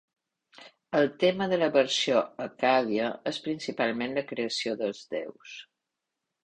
El tema de la versió accàdia és principalment la creació dels déus.